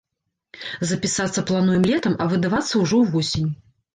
Запісацца плануем летам, а выдавацца ўжо ўвосень.